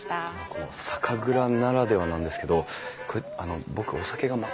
この「酒蔵ならでは」なんですけどこれ僕お酒が全く駄目なんですけど。